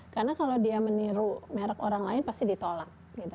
karena kalau dia meniru merek orang lain pasti ditolak